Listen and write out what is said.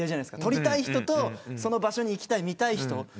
撮りたい人とその場所に行きたい、見たい人。